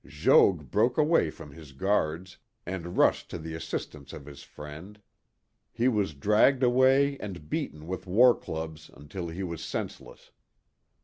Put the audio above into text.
Jogues broke away from his guards, and rushed to the assistance of his friend. He was dragged away and beaten with war clubs until he was senseless.